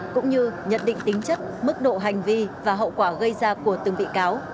cũng như nhận định tính chất mức độ hành vi và hậu quả gây ra của từng bị cáo